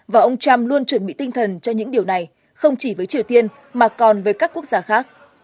và ông trump luôn chuẩn bị tinh thần cho những điều này không chỉ với triều tiên mà còn với các quốc gia khác